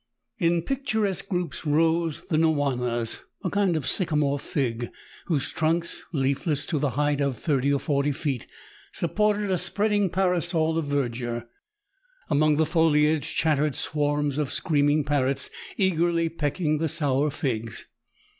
In picturesque groups rose the " nwanas," a kind of sycamore fig, whose trunks, leafless to the height of 30 or 40 feet, supported a spreading parasol of verdure. Among the foliage chattered swarms of scream ing parrots, eagerly pecking the sour figs.